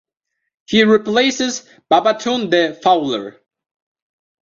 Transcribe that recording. He replaces Babatunde Fowler.